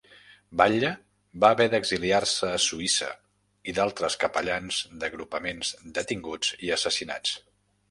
Batlle va haver d'exiliar-se a Suïssa i d'altres capellans d'agrupaments detinguts i assassinats.